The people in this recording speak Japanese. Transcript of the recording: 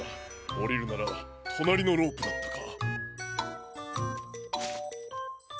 おりるならとなりのロープだったか。